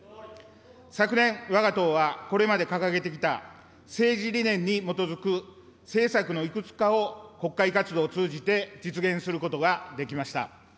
昨年、わが党は、これまで掲げてきた政治理念に基づく政策のいくつかを国会活動を通じて実現することができました。